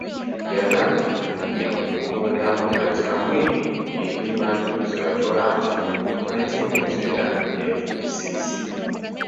ya dhambi aliihukumu dhambi katika mwili ili maagizo ya torati yatimizwe ndani yetu sisi